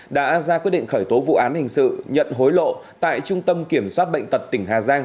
đã ra quyết định khởi tố vụ án hình sự nhận hối lộ tại trung tâm kiểm soát bệnh tật tỉnh hà giang